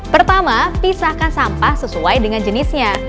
pertama pisahkan sampah sesuai dengan jenisnya